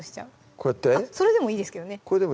こうやってそれでもいいですけどね